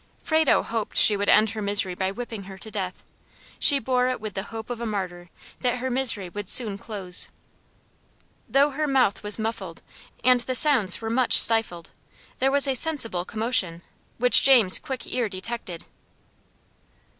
Frado hoped she would end her misery by whipping her to death. She bore it with the hope of a martyr, that her misery would soon close. Though her mouth was muffled, and the sounds much stifled, there was a sensible commotion, which James' quick ear detected.